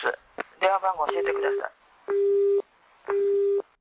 電話番号教えてください。